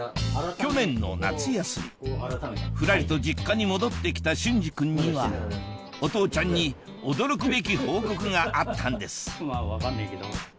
去年の夏休みふらりと実家に戻って来た隼司君にはお父ちゃんに驚くべき報告があったんです